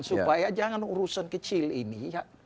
supaya jangan urusan kecil ini